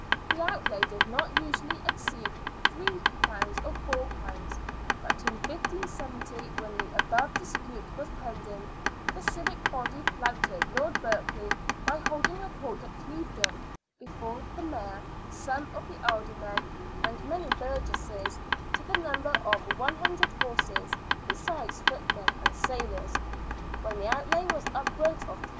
The outlay did not usually exceed £3 or £4, but in 1570, when the above dispute was pending, the civic body flouted Lord Berkeley by holding a court at Clevedon, before the Mayor, some of the alder men, and many burgesses, to the number of 100 horses, besides footmen and sailors, when the outlay was upwards of £27.